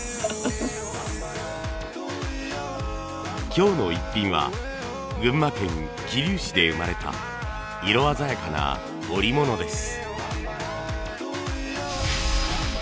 今日のイッピンは群馬県桐生市で生まれた色鮮やかな織物です。